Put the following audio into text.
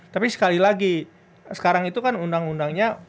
tapi sekali lagi sekarang itu kan undang undangnya